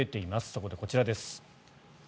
そこでこちらです。